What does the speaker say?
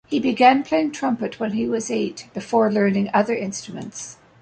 He began playing trumpet when he was eight, before learning other instruments.